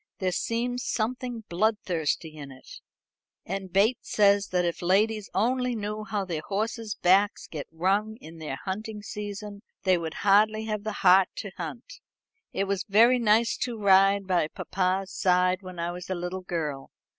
There seems something bloodthirsty in it. And Bates says that if ladies only knew how their horses' backs get wrung in the hunting season, they would hardly have the heart to hunt. It was very nice to ride by papa's side when I was a little girl.